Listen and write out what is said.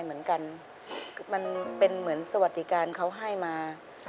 มันเป็นเหมือนสวัสดิการเขาให้มา